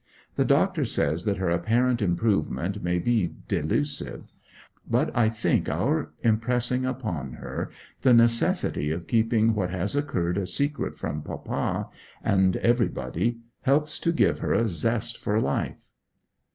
The doctor says that her apparent improvement may be delusive; but I think our impressing upon her the necessity of keeping what has occurred a secret from papa, and everybody, helps to give her a zest for life.